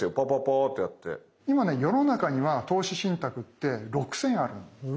今ね世の中には投資信託って６，０００あるんですね。